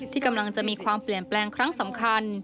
ที่กำลังจะมีความเปลี่ยนแปลงครั้งสำคัญ